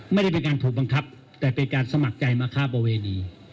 ไม่ได้เป็นการถูกบังคับแต่เป็นการสมัครใจมาฆ่าประเวณี